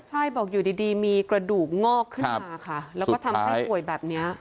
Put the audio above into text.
ใช่บอกอยู่ดีมีกระดูกงอกขึ้นมาค่ะแล้วก็ทำให้ป่วยแบบนี้